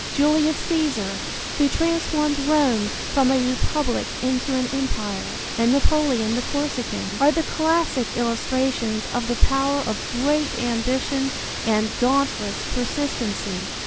Julius Caesar, who transformed Rome from a republic into an empire, and Napoleon the Corsican, are the classic illustrations of the power of great ambition and dauntless persistency.